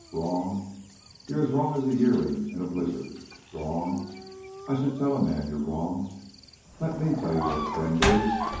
Wrong? You're as wrong as a yearling in a blizzard. Wrong? I should tell a man you're wrong! Lemme tell you what a friend is.